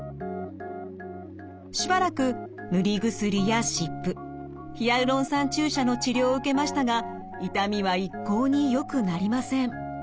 しばらく塗り薬や湿布ヒアルロン酸注射の治療を受けましたが痛みは一向によくなりません。